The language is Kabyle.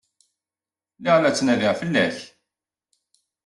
Lliɣ la ttnadiɣ fell-ak.